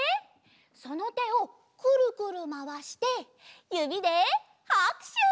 そのてをくるくるまわしてゆびではくしゅ！